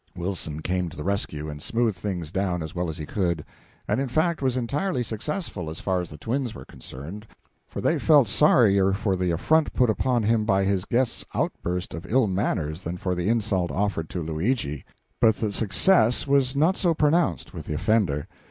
Wilson came to the rescue, and smoothed things down as well as he could; and in fact was entirely successful as far as the twins were concerned, for they felt sorrier for the affront put upon him by his guest's outburst of ill manners than for the insult offered to Luigi. But the success was not so pronounced with the offender.